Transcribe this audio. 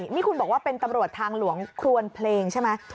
นี่คุณบอกว่าเป็นตำรวจทางหลวงครวนเพลงใช่ไหม